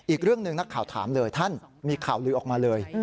อีกเรื่องหนึ่งนักข่าวถามเลยท่านมีข่าวลือออกมาเลย